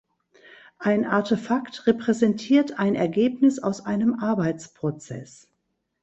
Ein Artefakt repräsentiert ein Ergebnis aus einem Arbeitsprozess.